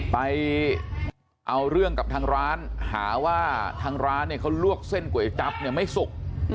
ไปเอาเรื่องกับทางร้านหาว่าทางร้านเนี่ยเขาลวกเส้นก๋วยจั๊บเนี่ยไม่สุก